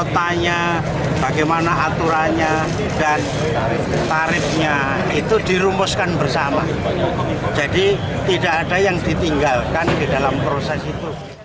tarifnya itu dirumuskan bersama jadi tidak ada yang ditinggalkan di dalam proses itu